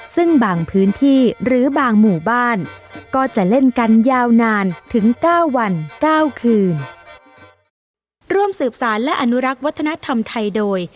ซึ่งบางพื้นที่หรือบางหมู่บ้านก็จะเล่นกันยาวนานถึงเก้าวันเก้าคืนร่วมสืบสารและอนุรักษ์วัฒนธรรมไทยโดย